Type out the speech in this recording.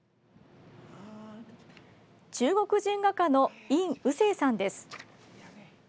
中国人画家の尹雨生さんです。